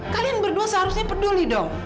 kalian berdua seharusnya peduli dong